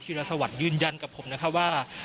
ธิรสวรรค์ยืนยันกับผมนะครับว่า